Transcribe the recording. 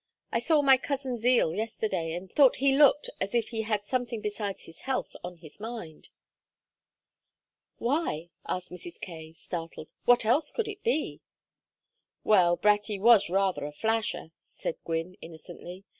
I saw my cousin Zeal yesterday, and thought he looked as if he had something besides his health on his mind." "Why?" asked Mrs. Kaye, startled. "What else could it be?" "Well, Bratty was rather a flasher," said Gwynne, innocently.